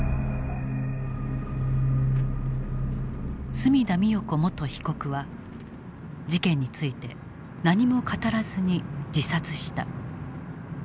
角田美代子元被告は事件について何も語らずに自殺した。